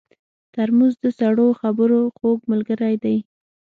ترموز د سړو خبرو خوږ ملګری دی.